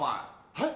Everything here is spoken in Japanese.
はい？